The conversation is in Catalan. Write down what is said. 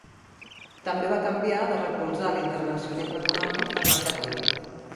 També va canviar de recolzar l'intervencionisme econòmic al mercat lliure.